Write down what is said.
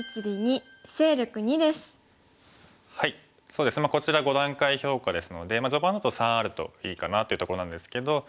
そうですねこちら５段階評価ですので序盤だと３あるといいかなというところなんですけど。